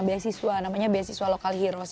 beasiswa namanya beasiswa lokal heroes